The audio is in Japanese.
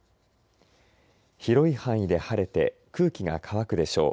広い範囲で晴れて空気が乾くでしょう。